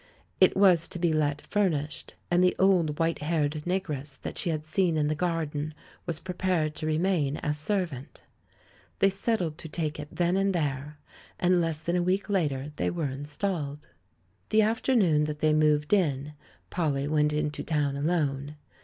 It was to be let furnished, and the old, white haired negress that she had seen in the garden was pre pared to remain as servant. The^/ settled to take it then and there ; and less than a week later they were installed. The afternoon that they moved in, Polly went into town alone.